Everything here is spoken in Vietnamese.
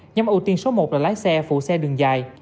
nhóm ưu tiên số một là lái xe phụ xe đường dài